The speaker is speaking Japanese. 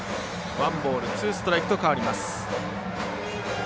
ワンボールツーストライクと変わります。